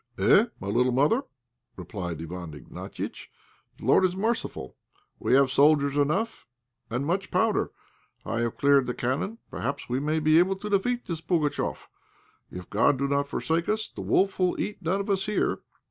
"Eh! my little mother," replied Iwán Ignatiitch; "the Lord is merciful. We have soldiers enough, and much, powder; I have cleared the cannon. Perhaps we may be able to defeat this Pugatchéf. If God do not forsake us, the wolf will eat none of us here."